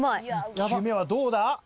１球目はどうだ？